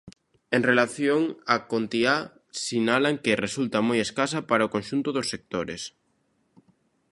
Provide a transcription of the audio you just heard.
En relación á contía, sinalan que "resulta moi escasa para o conxunto dos sectores".